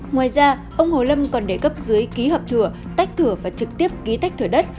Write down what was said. ngoài ra ông hồ lâm còn để cấp dưới ký hợp thừa tách thừa và trực tiếp ký tách thừa đất